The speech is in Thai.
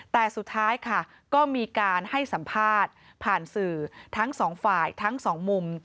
แต่สุดท้ายค่ะก็มีการให้สัมภาษณ์ผ่านสื่อทั้งสองฝ่ายทั้งสองมุม